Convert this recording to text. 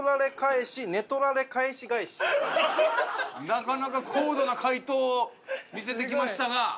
なかなか高度な回答を見せてきましたが。